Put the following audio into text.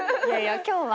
今日はね。